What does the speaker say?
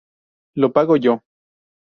Lo pago yo.